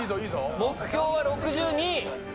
目標は６２。